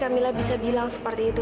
camilla bisa bilang seperti itu